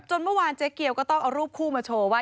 เมื่อวานเจ๊เกียวก็ต้องเอารูปคู่มาโชว์ว่า